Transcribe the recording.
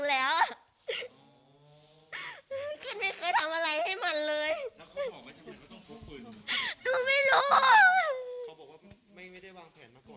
แต่แม่ก็ไม่รู้หรอก